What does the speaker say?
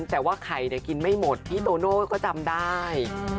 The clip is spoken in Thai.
แต่ว่าไข่กินไม่หมดพี่โตโน่ก็จำได้